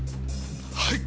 はい！